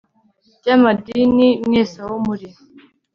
banyamadini mwese aho muri